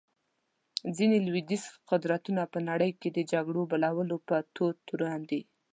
ځینې لوېدیځ قدرتونه په نړۍ کې د جګړو بلولو په تور تورن دي.